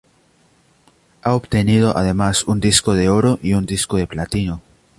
Ha obtenido además un Disco de Oro y un Disco de Platino.